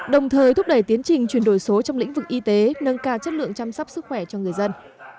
đồng thời thúc đẩy tiến trình chuyển đổi số trong lĩnh vực y tế nâng cao chất lượng chăm sóc sức khỏe cho người dân